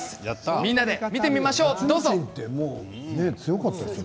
みんなで見てみましょう。